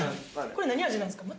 これ何味なんですか？